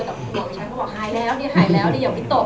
เขาบอกว่าหายแล้วหายแล้วอย่าพิตก